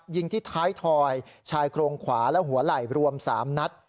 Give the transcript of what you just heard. ยิงที่ท้ายถอยชายโครงขวาและหัวไหล่รวม๓นัด